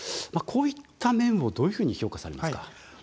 こういった面をどういうふうに評価されますか？